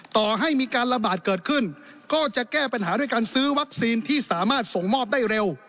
ต่อให้มีการระบาดเกิดขึ้นก็จะแก้ปัญหาด้วยการซื้อวัคซีนที่สามารถส่งมอบได้เร็ว